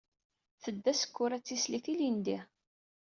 Tedda Sekkura d tislit ilindi.